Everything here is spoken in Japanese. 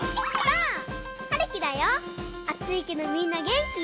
あついけどみんなげんき？